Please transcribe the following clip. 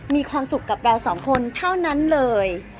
มีความสุขกับเราสองคนเท่านั้นเลย